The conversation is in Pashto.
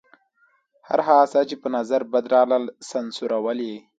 هر هغه څه چې په نظر بد راغلل سانسورول یې.